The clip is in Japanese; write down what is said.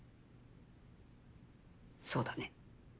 そうだね。